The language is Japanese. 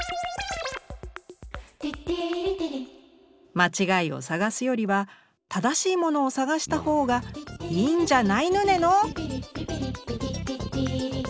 「まちがいをさがすよりは正しいものをさがしたほうがいいんじゃないぬねの？」。